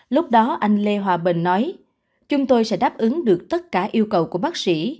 lúc đó anh lê hòa bình nói chúng tôi sẽ đáp ứng được tất cả yêu cầu của bác sĩ